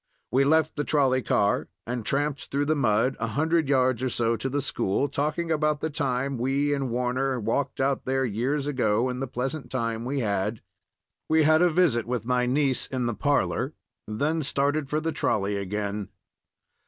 We left the trolley car and tramped through the mud a hundred yards or so to the school, talking about the time we and Warner walked out there years ago, and the pleasant time we had. We had a visit with my niece in the parlor, then started for the trolley again.